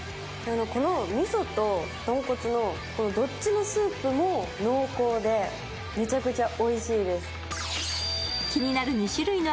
この味噌と豚骨のどっちのスープも濃厚でめちゃくちゃおいしいです。